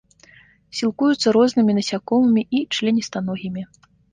Сілкуюцца рознымі насякомымі і членістаногімі.